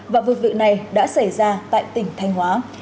và vượt vựng này đã xảy ra tại tỉnh thanh hóa